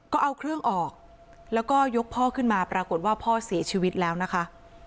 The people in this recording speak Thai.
ก็เอาเครื่องออกแล้วก็ยกพ่อขึ้นมาปรากฏว่าพ่อเสียชีวิตแล้วนะคะ